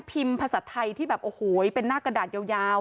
ภาษาไทยที่แบบโอ้โหเป็นหน้ากระดาษยาว